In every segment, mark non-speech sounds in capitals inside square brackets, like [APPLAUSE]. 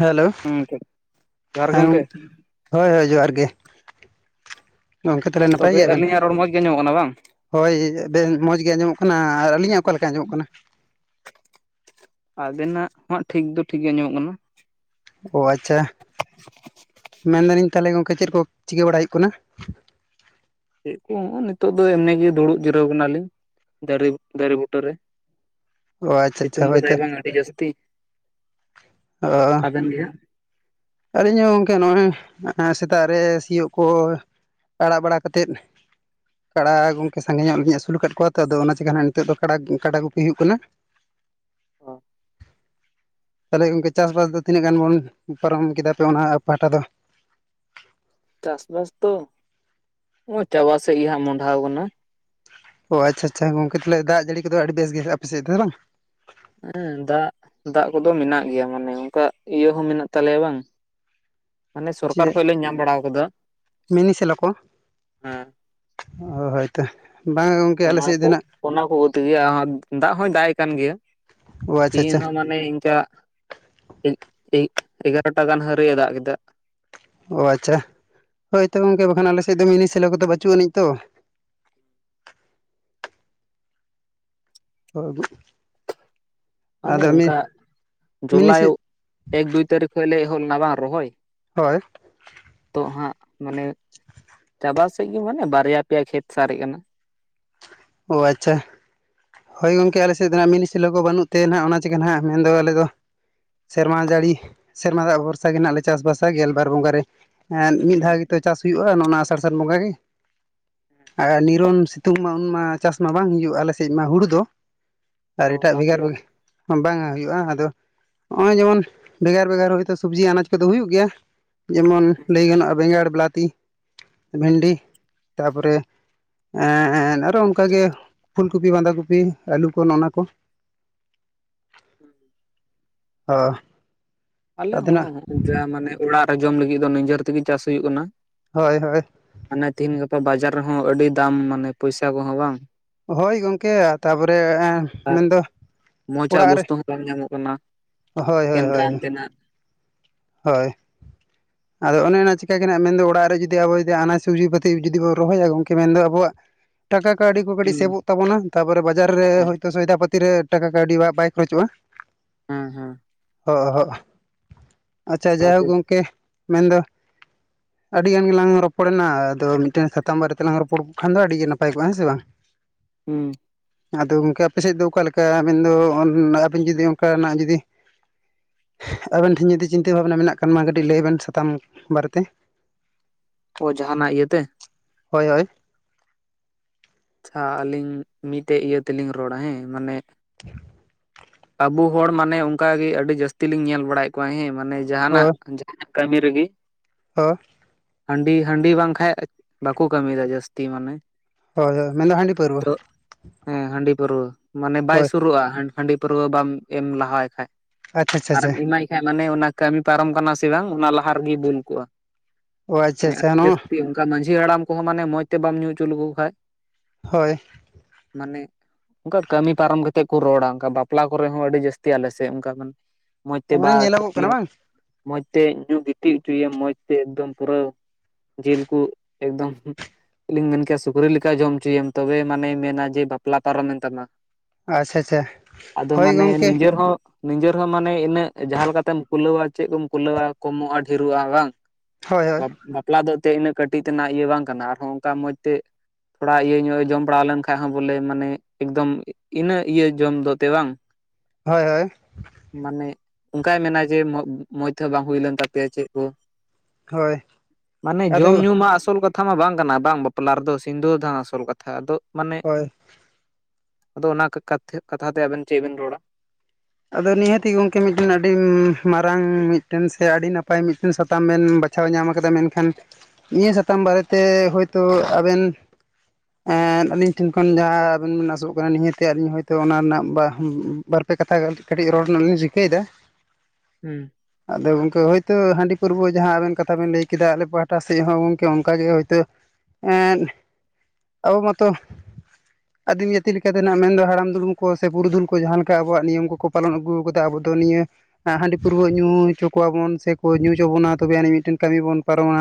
Hello ᱦᱮᱸ ᱴᱷᱤᱠ ᱡᱚᱦᱟᱨ ᱜᱮ ᱦᱮᱸ ᱜᱚᱝᱠᱮ ᱜ ᱦᱳᱭ ᱦᱳᱭ ᱡᱚᱦᱟᱨ ᱜᱮ ᱜᱚᱢᱠᱮ ᱛᱟᱦᱚᱞᱮ ᱱᱟᱯᱟᱭ ᱛᱚᱵᱮ ᱜᱮᱭᱟᱵᱮᱱ? ᱟᱹᱞᱤᱧᱟᱜ ᱨᱚᱲ ᱢᱚᱸᱡᱽ ᱜᱮ ᱟᱸᱡᱚᱢᱚᱜ ᱠᱟᱱᱟ ᱵᱟᱝ ᱦᱳᱭ ᱵᱮᱱ ᱢᱚᱸᱡᱽ ᱜᱮ ᱟᱸᱡᱚᱢᱚᱜ ᱠᱟᱱᱟ ᱟᱨ ᱟᱹᱞᱤᱧᱟᱜ ᱚᱠᱟ ᱞᱮᱠᱟ ᱟᱸᱡᱚᱢᱚᱜ ᱠᱟᱱᱟ ᱟᱵᱮᱱᱟᱜ ᱦᱚᱸ ᱴᱷᱤᱠ ᱫᱚ ᱴᱷᱤᱠ ᱜᱮ ᱟᱸᱡᱚᱢᱚᱜ ᱠᱟᱱᱟ ᱚ ᱟᱪᱪᱷᱟ ᱢᱮᱱ ᱫᱟᱹᱞᱤᱧ ᱛᱟᱞᱮ ᱜᱚᱝᱠᱮ ᱪᱮᱫ ᱠᱚ ᱪᱤᱠᱟᱹ ᱵᱟᱲᱟᱭ ᱦᱩᱭᱩᱜ ᱠᱟᱱᱟ ᱪᱮᱫ ᱠᱚ ᱦᱚᱸ ᱱᱤᱛᱚᱜ ᱫᱚ ᱮᱢᱱᱤ ᱜᱮ ᱫᱩᱲᱩᱵ ᱡᱤᱨᱟᱹᱣ ᱠᱟᱱᱟ ᱞᱤᱧ ᱫᱟᱹᱨᱤᱯ ᱫᱟᱨᱮ ᱵᱩᱴᱟᱹ ᱨᱮ ᱚ ᱟᱪᱪᱷᱟ ᱟᱪᱪᱷᱟ ᱥᱤᱛᱩᱝ ᱦᱳᱭᱛᱚ ᱠᱟᱫᱟᱭ ᱵᱚᱝ ᱟᱹᱰᱤ ᱡᱟᱹᱥᱛᱤ ᱚ ᱟᱵᱮᱱ ᱜᱮ ᱦᱟᱜ ᱟᱹᱞᱤᱧ ᱦᱚᱸ ᱜᱚᱢᱠᱮ ᱱᱚᱜᱼᱚᱭ ᱥᱮᱛᱟᱜ ᱨᱮ ᱥᱤᱭᱳᱜ ᱠᱚ ᱟᱲᱟᱜ ᱵᱟᱲᱟ ᱠᱟᱛᱮᱫ ᱠᱟᱲᱟ ᱜᱚᱝᱠᱮ ᱥᱟᱸᱜᱮ ᱧᱚᱜ ᱜᱮᱞᱤᱧ ᱟᱹᱥᱩᱞ ᱟᱠᱟᱫ ᱠᱚᱣᱟ ᱛᱚ ᱟᱫᱚ ᱚᱱᱟ ᱪᱟᱠᱟᱹ ᱱᱟᱦᱟᱸᱜ ᱱᱤᱛᱚᱜ ᱫᱚ ᱠᱟᱲᱟ ᱠᱟᱰᱟ ᱜᱩᱯᱤ ᱦᱩᱭᱩᱜ ᱠᱟᱱᱟ [INAUDIBLE] ᱛᱟᱞᱦᱮ ᱜᱚᱝᱠᱮ ᱪᱟᱥᱼᱵᱟᱥ ᱫᱚ ᱛᱤᱱᱟᱹᱜ ᱜᱟᱱ ᱵᱚᱱ ᱯᱟᱨᱚᱢ ᱠᱮᱫᱟ ᱯᱮ ᱚᱱᱟ ᱯᱟᱦᱴᱟ ᱫᱚ ᱪᱟᱥ ᱵᱟᱥ ᱛᱚ ᱱᱚᱜᱼᱚᱭ ᱪᱟᱵᱟ ᱥᱮᱫ ᱜᱮ ᱦᱟᱸᱜ ᱢᱚᱰᱷᱟᱣ ᱟᱠᱟᱱᱟ ᱚ ᱟᱪᱪᱷᱟ ᱟᱪᱷᱟ ᱜᱚᱝᱠᱮ ᱛᱟᱦᱞᱮ ᱫᱟᱜ ᱡᱟᱹᱲᱤ ᱠᱚᱫᱚ ᱟᱹᱰᱤ ᱵᱮᱥ ᱜᱮ ᱟᱯᱮ ᱥᱮᱫ ᱫᱚ ᱵᱟᱝ ᱦᱩᱸ ᱫᱟᱜ ᱫᱟᱜ ᱠᱚᱫᱚ ᱢᱮᱱᱟᱜ ᱜᱮᱭᱟ ᱢᱟᱱᱮ ᱚᱱᱠᱟ ᱤᱭᱟᱹ ᱦᱚᱸ ᱢᱮᱱᱟᱜ ᱛᱟᱞᱮᱭᱟ ᱵᱟᱝ ᱢᱟᱱᱮ ᱥᱚᱨᱠᱟᱨ ᱪᱮᱫ ᱠᱷᱚᱡ ᱞᱮ ᱧᱟᱢ ᱵᱟᱲᱟ ᱠᱟᱫᱟ ᱢᱤᱱᱤ ᱥᱮᱞᱚ ᱠᱚ? ᱚ ᱦᱳᱭᱛᱚ ᱵᱟᱝᱟ ᱜᱚᱝᱠᱮ ᱟᱞᱮ ᱚᱱᱟ ᱥᱮᱫ ᱫᱚ ᱠᱚ ᱱᱟᱜ ᱚᱱᱟ ᱠᱚ ᱛᱮᱜᱮ ᱟᱨ ᱫᱟᱜ ᱦᱚᱭ ᱫᱟᱜ ᱮᱫ ᱠᱟᱱ ᱜᱮᱭᱟ ᱚ ᱟᱪᱪᱷᱟ ᱟᱪᱪᱷᱟ ᱛᱮᱦᱤᱧ ᱦᱚᱸ ᱢᱟᱱᱮ ᱢᱟᱱᱮ ᱤᱱᱠᱟ ᱮᱜᱟᱨᱚᱴᱟ ᱜᱟᱱ ᱦᱟᱹᱨᱤᱡ ᱮ ᱫᱟᱜ ᱠᱮᱫᱟ ᱚ ᱟᱪᱪᱷᱟ ᱦᱳᱭ ᱛᱚ ᱜᱚᱝᱠᱮ ᱵᱟᱠᱷᱟᱱ ᱟᱞᱮᱥᱮᱫ ᱫᱚ ᱢᱤᱱᱤ ᱥᱮᱞᱳ ᱠᱚᱫᱚ ᱵᱟᱪᱩᱜ ᱟᱹᱱᱤᱡ ᱛᱚ [UNINTELLIGIBLE] ᱢᱟᱱᱮ ᱟᱫᱚ ᱚᱱᱠᱟ ᱢᱤᱱᱤ ᱥᱮ ᱡᱚᱞᱟᱭᱚᱜ ᱮᱠ ᱫᱩᱭ ᱛᱟᱹᱨᱤᱠᱷ ᱠᱷᱚᱡ ᱞᱮ ᱮᱦᱚᱵ ᱞᱮᱱᱟ ᱵᱟᱝ ᱨᱚᱦᱚᱭ ᱦᱳᱭ ᱛᱚᱜ ᱦᱟᱸᱜ ᱢᱟᱱᱮ ᱪᱟᱵᱟ ᱥᱮᱫ ᱜᱮ ᱢᱟᱱᱮ ᱵᱟᱨᱭᱟ ᱯᱮᱭᱟ ᱠᱷᱮᱛ ᱥᱟᱨᱮᱡ ᱠᱟᱱᱟ ᱚ ᱟᱪᱪᱷᱟ ᱦᱳᱭ ᱜᱚᱢᱠᱮ ᱟᱞᱮᱥᱮᱫ ᱫᱚ ᱱᱟᱜ ᱢᱤᱱᱤ ᱥᱤᱞᱳ ᱠᱚ ᱵᱟᱹᱱᱩᱜ ᱛᱮ ᱱᱟᱜ ᱚᱱᱟ ᱪᱤᱠᱟ. ᱱᱟᱦᱟᱸᱜ ᱢᱮᱱᱫᱚ ᱟᱞᱮᱫᱚ ᱥᱮᱨᱢᱟ ᱡᱟᱹᱲᱤ ᱥᱮᱨᱢᱟ ᱫᱟᱜ ᱵᱷᱚᱨᱥᱟ ᱜᱮ ᱦᱟᱸᱜ ᱞᱮ ᱪᱟᱥᱵᱟᱥᱟ ᱜᱮᱞᱵᱟᱨ ᱵᱚᱸᱜᱟ ᱨᱮ ᱢᱤᱫ ᱫᱷᱟᱣ ᱜᱮ ᱪᱟᱥ ᱦᱩᱭᱩᱜᱼᱟ ᱱᱚᱜᱱᱟ ᱟᱥᱟᱲ ᱥᱟᱱ ᱵᱚᱸᱜᱟ ᱜᱮ ᱟᱨ ᱱᱤᱨᱚᱱ ᱥᱤᱛᱩᱝ ᱢᱟ ᱩᱱᱢᱟ ᱪᱟᱥ ᱢᱟ ᱵᱟᱝ ᱦᱩᱭᱩᱜᱼᱟ ᱟᱞᱮ ᱥᱮᱫ ᱢᱟ ᱦᱩᱲᱩ ᱫᱚ ᱟᱨ ᱛᱚ ᱮᱴᱟᱜ ᱵᱟᱝ ᱵᱷᱮᱜᱟᱨ ᱦᱩᱭᱩᱜᱼᱟ ᱵᱷᱮᱜᱟᱨ ᱵᱟᱝᱟ ᱦᱩᱭᱩᱜᱼᱟ ᱟᱫᱚ ᱦᱚᱸᱜᱼᱚᱭ ᱡᱮᱢᱚᱱ ᱵᱷᱮᱜᱟᱨ ᱵᱷᱮᱜᱟᱨ ᱦᱚᱭᱛᱳ ᱥᱚᱵᱽᱡᱤ ᱟᱱᱟᱡᱽ ᱠᱚᱫᱚ ᱦᱩᱭᱩᱜ ᱜᱮᱭᱟ ᱡᱮᱢᱚᱱ ᱞᱟᱹᱭ ᱜᱟᱱᱚᱜᱼᱟ ᱵᱮᱸᱜᱟᱲ ᱵᱤᱞᱟᱹᱛᱤ ᱵᱷᱮᱱᱰᱤ ᱛᱟᱯᱚᱨᱮ ᱟᱨᱚ ᱚᱱᱠᱟᱜᱮ ᱯᱷᱩᱞ ᱠᱩᱯᱤ ᱵᱟᱸᱫᱟ ᱠᱩᱯᱤ ᱟᱹᱞᱩ ᱠᱚ ᱱᱚᱜᱱᱟ ᱠᱚ [UNINTELLIGIBLE] ᱚᱦ ᱟᱞᱮ ᱦᱚᱸ ᱢᱟᱱᱮ ᱚᱲᱟᱜ ᱨᱮ ᱡᱚᱢ ᱞᱟᱹᱜᱤᱫ ᱫᱚ ᱱᱤᱡᱮᱨ ᱛᱮᱜᱮ ᱪᱟᱥ ᱦᱩᱭᱩᱜ ᱠᱟᱱᱟ ᱦᱳᱭ ᱦᱳᱭ ᱢᱟᱱᱮ ᱛᱤᱦᱮᱧ ᱜᱟᱯᱟ ᱵᱟᱡᱟᱨ ᱨᱮᱦᱚᱸ ᱟᱹᱰᱤ ᱫᱟᱢ ᱢᱟᱱᱮ ᱯᱚᱭᱥᱟ ᱠᱚᱦᱚᱸ ᱵᱟᱝ ᱦᱳᱭ ᱜᱚᱝᱠᱮ ᱛᱟᱯᱚᱨᱮ ᱟᱨ ᱢᱮᱱᱫᱚ ᱢᱚᱸᱡᱽᱟᱜ ᱚᱲᱟᱜ ᱨᱮ ᱵᱚᱥᱛᱩ ᱵᱟᱝ ᱧᱟᱢᱚᱜ ᱠᱟᱱᱟ ᱦᱳᱭ ᱦᱳᱭ ᱮᱠᱮᱱ ᱦᱳᱭ [UNINTELLIGIBLE] ᱦᱳᱭ ᱟᱫᱚ ᱚᱱᱮ ᱚᱱᱟ ᱪᱤᱠᱟ ᱜᱮ ᱱᱟᱜ ᱢᱮᱱᱫᱚ ᱚᱲᱟᱜ ᱨᱮ ᱡᱩᱫᱤ ᱟᱵᱚ ᱡᱩᱫᱤ ᱟᱱᱟᱡᱽ ᱥᱩᱵᱽᱡᱤ ᱯᱟᱹᱛᱤ ᱡᱩᱫᱤ ᱵᱚᱱ ᱨᱚᱦᱚᱭᱟ ᱜᱚᱝᱠᱮ ᱢᱮᱱᱫᱚ ᱟᱵᱚᱣᱟᱜ ᱴᱟᱠᱟ ᱠᱚ ᱟᱹᱰᱤ ᱠᱚ ᱠᱟᱹᱴᱤᱡ ᱦᱩᱸ ᱥᱮᱵᱚᱜ ᱛᱟᱵᱚᱱᱟ ᱛᱟᱯᱚᱨᱮ ᱵᱟᱡᱟᱨ ᱨᱮ ᱦᱳᱭᱛᱚ ᱥᱚᱭᱫᱟ ᱯᱟᱹᱛᱤ ᱨᱮ ᱴᱟᱠᱟ ᱠᱟᱹᱣᱰᱤ ᱵᱟᱭ ᱠᱷᱚᱨᱚᱪᱚᱜᱼᱟ ᱦᱮᱸ ᱦᱮᱸ ᱟᱪᱪᱷᱟ ᱡᱟᱭᱦᱳᱠ ᱥᱟᱶᱛᱮ ᱜᱚᱢᱠᱮ ᱢᱮᱱᱫᱚ ᱟᱹᱰᱤ ᱜᱟᱱ ᱜᱮᱞᱟᱝ ᱨᱚᱯᱚᱲ ᱮᱱᱟ ᱟᱫᱚ ᱢᱤᱫᱴᱮᱱ ᱥᱟᱛᱟᱢ ᱵᱟᱨᱮᱛᱮᱞᱟᱝ ᱨᱚᱯᱚᱲ ᱠᱚᱜ ᱠᱷᱟᱱ ᱫᱚ ᱟᱹᱰᱤ ᱜᱮ ᱱᱟᱯᱟᱭ ᱠᱚᱜᱼᱟ ᱦᱮᱸ ᱥᱮ ᱵᱟᱝ [INAUDIBLE] ᱦᱩᱸ ᱟᱫᱚ ᱜᱚᱢᱠᱮ ᱟᱯᱮ ᱥᱮᱫ ᱫᱚ ᱚᱠᱟ ᱞᱮᱠᱟ ᱟᱵᱮᱱ ᱫᱚ ᱟᱹᱵᱤᱱ ᱡᱩᱫᱤ ᱚᱱᱠᱟᱱᱟᱜ ᱡᱩᱫᱤ ᱟᱵᱮᱱ ᱴᱷᱮᱱ ᱡᱩᱫᱤ ᱪᱤᱱᱛᱟᱹ ᱵᱷᱟᱵᱽᱱᱟ ᱢᱮᱱᱟᱜ ᱠᱷᱟᱱ ᱢᱟ ᱠᱟᱹᱴᱤᱡ ᱞᱟᱹᱭ ᱵᱮᱱ ᱛᱟᱢ ᱵᱟᱨᱮᱛᱮ ᱚ ᱡᱟᱦᱟᱱᱟᱜ ᱤᱭᱟᱹᱛᱮ ᱦᱳᱭ ᱦᱳᱭ ᱟᱪᱪᱷᱟ ᱟᱹᱞᱤᱧ ᱢᱤᱫᱴᱮᱡ ᱤᱭᱟᱹ ᱛᱮᱞᱤᱧ ᱨᱚᱲᱟ ᱦᱮᱸ ᱢᱟᱱᱮ [INAUDIBLE] ᱟᱵᱩ ᱦᱚᱲ ᱢᱟᱱᱮ ᱚᱱᱠᱟᱜᱮ ᱟᱹᱰᱤ ᱡᱟᱹᱥᱛᱤ ᱞᱤᱧ ᱧᱮᱞ ᱵᱟᱲᱟᱭᱮᱫ ᱠᱚᱣᱟ ᱦᱮᱸ ᱢᱟᱱᱮ ᱡᱟᱦᱟᱱᱟᱜ ᱦᱳᱭ ᱠᱟᱹᱢᱤ ᱨᱮᱜᱤ [UNINTELLIGIBLE] ᱦᱟᱺᱰᱤ ᱦᱟᱺᱰᱤ ᱵᱟᱝᱠᱷᱟᱡ ᱵᱟᱠᱚ ᱠᱟᱹᱢᱤᱭᱮᱫᱟ ᱡᱟᱹᱥᱛᱤ ᱢᱟᱱᱮ ᱦᱳᱭ ᱦᱳᱭ ᱢᱮᱱᱫᱟ ᱦᱟᱺᱰᱤ ᱯᱟᱹᱨᱣᱟᱹ ᱛᱚ ᱦᱮᱸ ᱦᱟᱺᱰᱤ ᱯᱟᱹᱨᱣᱟᱹ ᱢᱟᱱᱮ ᱵᱟᱭ ᱦᱳᱭ ᱥᱩᱨᱩᱜᱼᱟ ᱦᱟᱺᱰᱤ ᱯᱟᱹᱨᱣᱟᱹ ᱵᱟᱢ ᱮᱢ ᱞᱟᱦᱟᱭ ᱠᱷᱟᱡ ᱟᱪᱪᱷᱟ ᱟᱪᱪᱷᱟ ᱟᱪᱪᱷᱟ ᱟᱨᱮᱢ ᱮᱢᱟᱭ ᱠᱷᱟᱡ ᱢᱟᱱᱮ ᱚᱱᱟ ᱠᱟᱹᱢᱤ ᱯᱟᱨᱚᱢ ᱠᱟᱱᱟ ᱥᱮ ᱵᱟᱝ ᱚᱱᱟ ᱞᱟᱦᱟ ᱨᱮᱜᱮ ᱵᱩᱞ ᱠᱚᱜᱼᱟ᱾ ᱚ ᱟᱪᱪᱷᱟ ᱦᱮ ᱟᱪᱪᱷᱟ ᱱᱚᱣᱟ ᱡᱟᱥᱛᱤ ᱚᱱᱠᱟ ᱢᱟᱺᱡᱷᱤ ᱦᱟᱲᱟᱢ ᱠᱚᱦᱚ ᱢᱟᱱᱮ ᱢᱚᱡᱽ ᱛᱮ ᱵᱟᱢ ᱧᱩ ᱦᱚᱪᱚ ᱞᱮᱠᱚ ᱠᱷᱟᱡ ᱦᱳᱭ ᱢᱟᱱᱮ ᱚᱱᱠᱟ ᱠᱟᱹᱢᱤ ᱯᱟᱨᱚᱢ ᱠᱟᱛᱮᱜ ᱠᱚ ᱨᱚᱲᱟ ᱚᱱᱠᱟ ᱵᱟᱯ ᱯᱞᱟ ᱠᱚᱨᱮ ᱦᱚ ᱟᱹᱰᱤ ᱡᱟᱥᱛᱤ ᱟᱞᱮ ᱥᱮ ᱚᱱᱠᱟ ᱢᱟᱱᱮ ᱢᱚᱡᱽᱛᱮ ᱵᱟ ᱢᱟᱱᱮ ᱧᱮᱞᱚᱜᱚᱜ ᱠᱟᱱᱟ ᱠᱩᱞᱟ ᱵᱟᱝ ᱢᱚᱡᱽᱛᱮ ᱧᱩ ᱜᱤᱛᱤᱡ ᱚᱪᱚᱭᱮᱢ ᱢᱚᱡᱽᱛᱮ ᱮᱠᱚᱢ ᱯᱩᱨᱟᱹ ᱡᱤᱞ ᱠᱚ ᱮᱠᱫᱚᱢ ᱞᱤᱧ ᱢᱮᱱ ᱠᱮᱭᱟ ᱥᱩᱠᱨᱤ ᱞᱮᱠᱟ ᱡᱚᱢ ᱚᱪᱚᱭᱮᱢ ᱛᱚᱵᱮ ᱢᱟᱱᱮ ᱢᱮᱱᱟ ᱡᱮ ᱵᱟᱯᱞᱟ ᱯᱟᱨᱚᱢᱮᱱ ᱛᱟᱢᱟ᱾ ᱟᱪᱪᱷᱟ ᱟᱪᱪᱷᱟ ᱟᱫᱚ ᱦᱳᱭ ᱢᱟᱱᱮ ᱜᱚᱝᱠᱮ ᱱᱤᱡᱮᱨ ᱦᱚ ᱱᱤᱡᱮᱨ ᱦᱚ ᱢᱟᱱᱮ ᱤᱱᱟᱹᱜ ᱡᱟᱦᱟ ᱞᱮᱠᱟᱛᱮᱢ ᱠᱩᱞᱟᱹᱣᱟ ᱪᱮᱫ ᱠᱚᱢ ᱠᱩᱞᱟᱹᱣᱟ ᱠᱚᱢᱚᱜᱼᱟ ᱰᱷᱮᱨᱚᱜᱼᱟ ᱵᱟᱝ ᱦᱳᱭ ᱦᱳᱭ ᱵᱟᱯ ᱵᱟᱯᱞᱟ ᱫᱚ ᱛᱮ ᱤᱱᱟᱹᱜ ᱠᱟᱹᱴᱤᱡ ᱛᱮᱱᱟᱜ ᱤᱭᱟᱹ ᱵᱟᱝ ᱠᱟᱱᱟ ᱟᱨᱦᱚᱸ ᱚᱱᱠᱟ ᱢᱚᱸᱡᱽ ᱛᱮ ᱛᱷᱚᱲᱟ ᱤᱭᱟᱹ ᱧᱚᱜ ᱡᱚᱢ ᱵᱟᱲᱟ ᱞᱮᱱᱠᱷᱟᱱ ᱦᱚ ᱵᱚᱞᱮ ᱢᱟᱱᱮ ᱮᱠᱫᱚᱢ ᱤᱱᱟᱜ ᱤᱭᱟᱹ ᱡᱚᱢ ᱫᱚ ᱛᱮ ᱵᱟᱝ ᱦᱳᱭ ᱦᱳᱭ ᱢᱟᱱᱮ ᱚᱱᱠᱟᱭ ᱢᱮᱱᱟ ᱡᱮ ᱢᱚᱡᱽ ᱛᱮᱦᱚ ᱵᱟᱝ ᱦᱩᱭᱞᱱ ᱛᱟᱯᱮᱭᱟ ᱪᱮᱫ ᱠᱚ ᱦᱳᱭ ᱢᱟᱱᱮ ᱟᱫᱚ ᱡᱚᱢ ᱧᱩ ᱢᱟ ᱟᱥᱚᱞ ᱠᱟᱛ ᱛᱷᱟ ᱢᱟ ᱵᱟᱝ ᱠᱟᱱᱟ ᱵᱟᱝ ᱵᱟᱯᱞᱟ ᱨᱮᱫᱚ ᱥᱤᱫᱷᱳ ᱫᱟᱱ ᱟᱥᱚᱞ ᱠᱟᱛᱷᱟ ᱟᱫᱚ ᱢᱟᱱᱮ ᱦᱳᱭ ᱟᱫᱚ ᱚᱱᱟ [UNINTELLIGIBLE] ᱠᱟᱛᱷᱟ ᱛᱮ ᱟᱵᱮᱱ ᱪᱮᱫ ᱵᱤᱱ ᱨᱚᱲᱟ ᱟᱫᱚ ᱱᱤᱦᱟᱛᱤ ᱜᱚᱝᱠᱮ ᱢᱤᱫᱴᱮᱱ ᱟᱰᱤ ᱢᱟᱨᱟᱝ ᱢᱤᱫᱴᱮᱱ ᱥᱮ ᱟᱰᱤ ᱱᱟᱯᱟᱭ ᱢᱤᱫᱴᱮᱱ ᱥᱟᱛᱟᱢ ᱢᱮᱱ ᱵᱟᱪ ᱪᱷᱟ ᱧᱟᱢ ᱠᱟᱫᱟ ᱢᱮᱱᱠᱷᱟᱱ ᱱᱤᱭᱟ ᱥᱟᱛᱟᱢ ᱵᱟᱨᱮ ᱛᱮ ᱦᱳᱭᱛᱳ ᱟᱵᱮᱱ ᱮ ᱟᱞᱤᱧ ᱴᱷᱮᱱ ᱠᱷᱚᱱ ᱡᱟᱦᱟ ᱟᱵᱮᱱ ᱵᱤᱱ ᱟᱥᱚᱜ ᱠᱟᱱᱟ ᱱᱤᱦᱟᱹᱛ ᱟᱞᱤᱧ ᱦᱚᱭᱛᱳ ᱚᱱᱟ ᱨᱮᱱᱟᱜ ᱵᱟ ᱵᱟᱨᱯ ᱠᱟᱛᱷᱟ ᱠᱟᱹᱴᱤᱡ ᱨᱚᱲ ᱨᱮᱱᱟᱜ ᱞᱤᱧ ᱨᱤᱠᱟᱹᱭᱮᱫᱟ᱾ ᱦᱮᱸ ᱟᱫᱚ ᱜᱚᱝᱠᱮ ᱦᱳᱭᱛᱳ ᱦᱟᱺᱰᱤ ᱯᱟᱹᱨᱣᱟᱹ ᱢᱟᱦᱟᱸ ᱟᱵᱮᱱ ᱠᱟᱛᱷᱟ ᱵᱮᱱ ᱞᱟᱹᱭ ᱠᱮᱫᱟ ᱟᱞᱮ ᱯᱟᱦᱴᱟ ᱥᱮᱫ ᱦᱚ ᱜᱚᱝᱠᱮ ᱚᱱᱠᱟᱜᱮ ᱦᱳᱭᱛᱳ ᱮᱸᱫ ᱟᱵᱚ ᱢᱟᱛᱚ ᱟᱫᱤ ᱱᱤᱭᱟᱛᱤ ᱞᱮᱠᱟ ᱛᱮᱱᱟᱜ ᱢᱮᱱᱫᱚ ᱦᱟᱲᱟᱢ ᱫᱩᱲᱩᱢ ᱠᱚ ᱥᱮ ᱯᱩᱨᱩᱫᱷᱩᱞ ᱠᱚ ᱡᱟᱦᱟ ᱞᱮᱠᱟ᱾ ᱟᱵᱚᱣᱟᱜ ᱱᱤᱭᱚᱢ ᱠᱚᱠᱚ ᱯᱟᱞᱚᱱ ᱟᱹᱜᱩ ᱟᱠᱟᱫᱟ ᱟᱵᱚ ᱫᱚ ᱱᱤᱭᱟᱹ ᱦᱟᱺᱰᱤ ᱯᱟᱹᱣᱨᱟᱹ ᱧᱩ ᱦᱚᱪᱚ ᱠᱚᱣᱟᱵᱚᱱ ᱥᱮᱠᱚ ᱧᱩ ᱦᱚᱪᱚ ᱵᱚᱱᱟ ᱛᱚᱵᱮ ᱟᱱᱤᱡ ᱢᱤᱫᱴᱮᱱ ᱠᱟᱹᱢᱤ ᱵᱚᱱ ᱯᱟᱨᱚᱢᱟ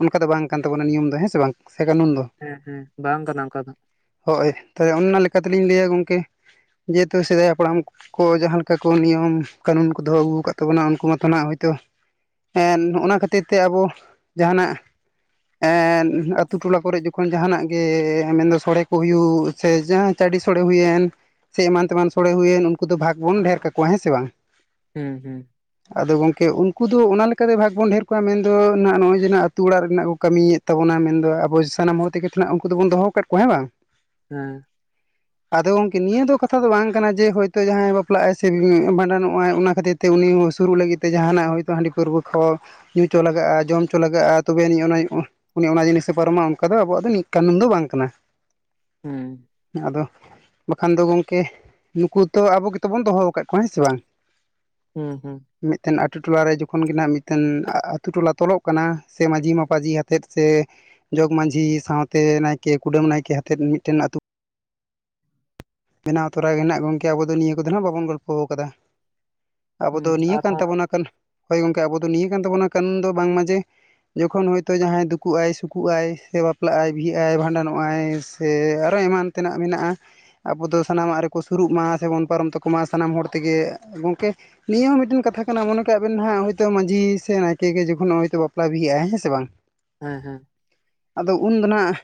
ᱚᱱᱠᱟ ᱫᱚ ᱵᱟᱝ ᱠᱟᱱ ᱛᱟᱵᱚᱱᱟ ᱱᱤᱭᱚᱢ ᱫᱚ ᱦᱮ ᱥᱮ ᱵᱟᱝ ᱥᱮ ᱠᱟᱱᱩᱱ ᱫᱚ ᱦᱮᱸ ᱦᱮᱸ ᱵᱟᱝ ᱠᱟᱱᱟ ᱚᱱᱠᱟ ᱫᱚ ᱦᱳᱭ ᱛᱚᱵᱮ ᱚᱱᱟ ᱞᱮᱠᱟ ᱛᱤᱞᱤᱧ ᱞᱟᱹᱭᱟ ᱜᱚᱝᱠᱮ ᱡᱮᱦᱮᱛᱩ ᱥᱮᱫᱟᱭᱟᱜ ᱠᱚᱲᱟᱢ ᱠᱚ ᱡᱟᱦᱟ ᱞᱮᱠᱟ ᱠᱚ ᱱᱤᱭᱚᱢ ᱠᱟᱱᱩᱱ ᱠᱚ ᱫᱚᱦᱚ ᱟᱜᱩ ᱟᱠᱟᱫ ᱛᱟᱵᱚᱱᱟ ᱩᱱᱠᱩ ᱢᱟᱛᱚ ᱱᱟᱦᱟᱜ ᱦᱳᱭᱛᱚ ᱦᱮᱱ ᱚᱱᱟ ᱠᱷᱟᱹᱛᱤᱨ ᱛᱮ ᱟᱵᱚ ᱡᱟᱦᱟᱱᱟᱜ ᱮᱱ ᱟᱛᱳ ᱴᱚᱞᱟ ᱠᱚᱨᱮ ᱡᱚᱠᱷᱚᱱ ᱡᱟᱦᱟᱱᱟᱜ ᱜᱮ ᱢᱮᱱᱫᱚ ᱥᱚᱲᱮ ᱠᱚ ᱦᱩᱭᱩᱜ ᱥᱮ ᱡᱟᱦᱟ ᱪᱟᱰᱤ ᱥᱳᱲᱮ ᱦᱩᱭᱮᱱ ᱥᱮ ᱮᱢᱟᱱ ᱛᱮᱢᱟᱱ ᱥᱳᱲᱮ ᱦᱩᱭᱮᱱ ᱩᱱᱠᱩ ᱫᱚ ᱵᱷᱟᱠᱽ ᱵᱚᱱ ᱰᱷᱮᱨ ᱠᱟᱠᱚᱣᱟ ᱦᱮᱸ ᱥᱮ ᱵᱟᱝ ᱦᱩᱸ ᱦᱩᱸ ᱟᱫᱚ ᱜᱚᱝᱠᱮ ᱩᱱᱠᱩ ᱫᱚ ᱚᱱᱟ ᱞᱮᱠᱟᱛᱮ ᱵᱷᱟᱜᱽ ᱵᱚᱱ ᱰᱷᱮᱨ ᱠᱚᱣᱟ ᱢᱮᱱᱫᱚ ᱱᱟᱜ ᱱᱚᱜᱼᱚᱭ ᱡᱮᱱᱟᱜ ᱟᱹᱛᱩ ᱚᱲᱟᱜ ᱨᱮᱱᱟᱜ ᱠᱚ ᱠᱟᱢᱤᱭᱮᱫ ᱛᱟᱵᱚᱱᱟ ᱢᱮᱱᱫᱚ ᱟᱵᱚ ᱥᱟᱱᱟᱢ ᱦᱚᱲ ᱛᱮᱜᱮ ᱛᱚᱱᱟᱜ ᱩᱱᱠᱩ ᱫᱚᱵᱚᱱ ᱫᱚᱦᱚ ᱟᱠᱟᱫ ᱠᱚᱣᱟ ᱦᱮᱸ ᱵᱟᱝ ᱦᱮᱸ ᱟᱫᱚ ᱜᱚᱝᱠᱮ ᱱᱤᱭᱟ ᱫᱚ ᱠᱟᱛᱷᱟ ᱫᱚ ᱵᱟᱝ ᱠᱟᱱᱟ ᱡᱮ ᱦᱳᱭᱛᱳ ᱡᱟᱦᱟᱸᱭ ᱵᱟᱯᱞᱟᱜᱼᱟᱭ ᱥᱮ ᱵᱷᱟᱰᱟᱱᱚᱜᱼᱟᱭ ᱚᱱᱟ ᱠᱷᱟᱛᱤᱨ ᱛᱮ ᱩᱱᱤ ᱥᱩᱨᱩᱜ ᱞᱟᱹᱜᱤᱫ ᱛᱮ ᱡᱟᱦᱟᱱᱟᱜ ᱠᱟ ᱦᱟᱺᱰᱤ ᱯᱟᱹᱨᱣᱟᱹ ᱠᱚ ᱧᱩ ᱪᱚ ᱞᱟᱜᱟᱜᱼᱟ ᱡᱚᱢ ᱪᱚ ᱞᱟᱜᱟᱜᱼᱟ ᱛᱚᱵᱮ ᱟᱱᱤᱡ ᱚᱱᱟ ᱩᱱᱤ ᱚᱱᱟ ᱡᱤᱱᱤᱥᱮ ᱯᱟᱨᱚᱢᱼᱟ ᱚᱱᱠᱟ ᱫᱚ ᱟᱵᱚᱣᱟᱜ ᱫᱚ ᱱᱤᱠ ᱠᱟᱱᱩᱱ ᱫᱚ ᱵᱟᱝ ᱠᱟᱱᱟ ᱦᱩᱸ ᱟᱫᱚ ᱵᱟᱠᱷᱟᱱ ᱫᱚ ᱜᱚᱝᱠᱮ ᱱᱩᱠᱩ ᱛᱚ ᱟᱵᱚ ᱜᱮᱛ ᱵᱚᱱ ᱫᱚᱦᱚ ᱟᱠᱟᱫ ᱠᱚᱣᱟ ᱦᱮ ᱥᱮ ᱵᱟᱝ ᱦᱩᱸ ᱦᱩᱸ ᱢᱤᱫ ᱴᱮᱱ ᱟᱛᱳ ᱴᱚᱞᱟᱨᱮ ᱡᱚᱠᱷᱚᱱ ᱜᱮ ᱱᱟᱜ ᱢᱤᱫᱴᱮᱱ ᱟᱛᱳ ᱴᱚᱞᱟ ᱛᱚᱞᱚᱜ ᱠᱟᱱᱟ ᱥᱮ ᱢᱟᱺᱡᱷᱤ ᱢᱟᱯᱟᱡᱷᱤ ᱟᱛᱮᱛ ᱥᱮ ᱡᱚᱜᱽ ᱢᱟᱺᱡᱷᱤ ᱥᱟᱶᱛᱮ ᱱᱟᱭᱠᱮ ᱠᱩᱰᱟᱹᱢ ᱱᱟᱭᱠᱮ ᱦᱟᱛᱮᱫ ᱢᱤᱫᱴᱮᱱ ᱟᱹᱛᱩ ᱵᱮᱱᱟᱣ ᱛᱚᱨᱟ ᱜᱮ ᱱᱟᱜ ᱜᱚᱝᱠᱮ ᱟᱵᱚ ᱫᱚ ᱱᱤᱭᱟᱹ ᱠᱚᱫᱚ ᱱᱷᱟᱜ ᱵᱟᱵᱚᱱ ᱜᱚᱞᱯᱚ ᱠᱟᱫᱟ ᱟᱵᱚ ᱦᱩᱸ ᱫᱚ ᱱᱤᱭᱟᱹ ᱠᱟᱱ ᱟᱨᱦᱚᱸ ᱛᱟᱵᱚᱱᱟ ᱠᱟᱱᱩᱱ ᱦᱳᱭ ᱜᱚᱝᱠᱮ ᱟᱵᱚ ᱫᱚ ᱱᱤᱭᱟᱹ ᱠᱟᱱ ᱛᱟᱵᱚᱱᱟ ᱠᱟᱱᱩᱱ ᱫᱚ ᱵᱟᱝᱢᱟ ᱡᱮ ᱡᱚᱠᱷᱚᱱ ᱦᱚᱳᱭᱛᱚ ᱡᱟᱦᱟᱸᱭ ᱫᱩᱠᱩᱜᱼ ᱟᱭ ᱥᱩᱠᱩᱜᱼ ᱟᱭ ᱥᱮ ᱵᱟᱯᱞᱟᱜ ᱟᱭ ᱵᱤᱦᱟᱹᱜ ᱟᱭ ᱵᱷᱟᱸᱰᱟᱱᱚᱜ ᱟᱭ ᱥᱮ ᱟᱨᱦᱚ ᱮᱢᱟᱱ [INAUDIBLE] ᱛᱮᱱᱟᱜ ᱢᱮᱱᱟᱜᱼᱟ ᱟᱵᱚᱫ ᱫᱚ ᱥᱟᱱᱟᱢᱟᱜ ᱨᱮᱠᱚ ᱥᱩᱨᱩᱜ ᱢᱟ ᱥᱮᱵᱚᱱ ᱯᱟᱨᱚᱢ ᱛᱟᱠᱚ ᱢᱟ ᱥᱟᱱᱟᱢ ᱦᱚᱲ ᱛᱮᱜᱮ ᱜᱚᱝᱠᱮ ᱱᱤᱭᱟᱹ ᱦᱚᱸ ᱢᱤᱫᱴᱮᱱ ᱠᱟᱛᱷᱟ ᱠᱟᱱᱟ ᱢᱚᱱᱮ ᱠᱟᱜ ᱵᱮᱱ ᱱᱦᱟᱜ ᱢᱟᱺᱡᱷ ᱥᱮ ᱱᱟᱭᱠᱮ ᱜᱮ ᱡᱚᱠᱷᱚᱱ ᱦᱟᱭᱛᱚ ᱵᱟᱯᱞᱟ ᱵᱤᱦᱟ. ᱟᱭ ᱦᱮᱸ ᱥᱮ ᱵᱟᱝ ᱦᱮᱸ ᱦᱮᱸ ᱟᱫᱚ ᱩᱱᱫᱚ ᱦᱟᱜ